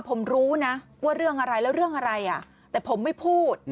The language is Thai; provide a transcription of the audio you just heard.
ผมรู้นะว่าเรื่องอะไรแล้วเรื่องอะไรแต่ผมไม่พูด